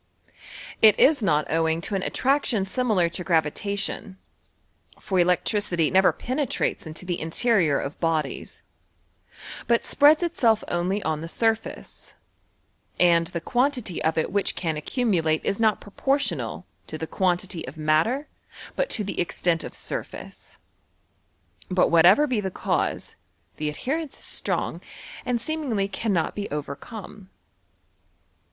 it is not owing to an attraction similar to gravita tion ; for electricity never penetrates into the interior of bodies, but spreads itself only on the surface, and die quantity of it which can accumulate is not pro portional to the quantity of matter but to the extent of surface. But whatever be tlie cause, the adhe jHon is strong, and seemingly cannot be overcome.